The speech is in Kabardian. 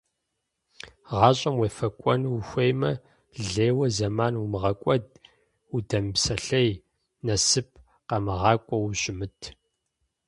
Гъащӏэм уефӏэкӏуэну ухуеймэ, лейуэ зэман умыгъэкӏуэд, удэмыпсэлъей, насып къэмыгъакӏуэу ущымыт.